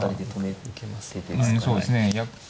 そうですね。